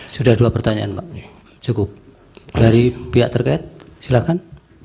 sudah dua pertanyaan pak cukup dari pihak terkait silakan